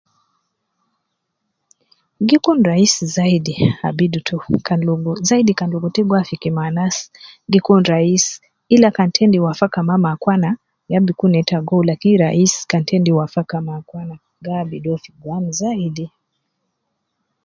Gi kun raisi zaidi abidu to kan logo, zaidi kan logo te gi wafiki ma anas, gi kun raisi, ila kan te endi wafaka ma me akwana ,ya bikun neta gowu lakin raisi kan te endi wafaka me akeana, gi abido fi gwam zaidi